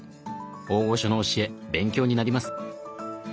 大御所の教え勉強になります。